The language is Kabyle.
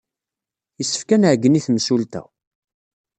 Yessefk ad nɛeyyen i temsulta.